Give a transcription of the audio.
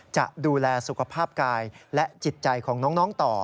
จะดูแลสุขภาพกายและจิตใจของน้องต่อ